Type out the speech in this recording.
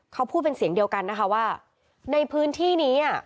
เขาพูดเป็นเสียงเดียวกันนะคะว่าในพื้นที่นี้